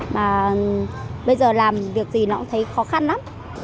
mà bây giờ làm việc gì nó cũng thấy khó khăn lắm